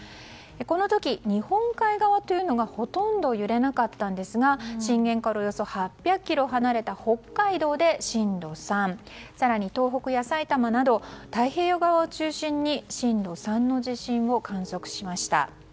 この時、日本海側というのがほとんど揺れなかったんですが震源からおよそ８００ｋｍ離れた北海道で震度３更に、東北や埼玉など太平洋側を中心に震度３の地震を観測しました。